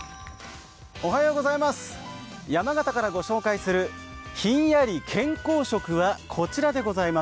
山形からご紹介するひんやり健康食はこちらです。